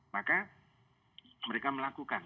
maka mereka melakukan